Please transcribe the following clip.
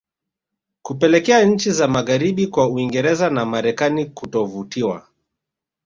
kupelekea nchi za magharibi kama Uingereza na Marekani kutovutiwa